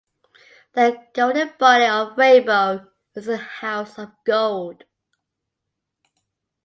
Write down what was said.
The governing body of Rainbow is the House of Gold.